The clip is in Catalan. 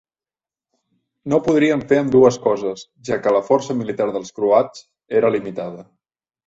No podrien fer ambdues coses, ja que la força militar dels croats era limitada.